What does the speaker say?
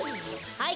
はい。